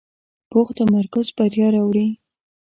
پوخ تمرکز بریا راوړي